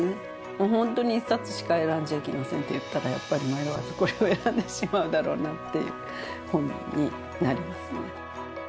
もう本当に１冊しか選んじゃいけませんっていったらやっぱり迷わずこれを選んでしまうだろうなという本になりますね。